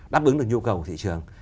đáp ứng được nhu cầu của thị trường